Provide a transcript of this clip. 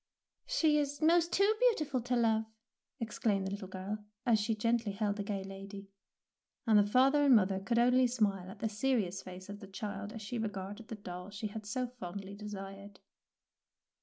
" She is most too beautiful to love," 172 THE PEABL NECKLACE exclaimed the little girl, as she gently held the gay lady; and the father and mother could only smile at the serious face of the child as she re garded the doll she had so fondly desired.